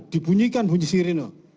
dibunyikan bunyi sirine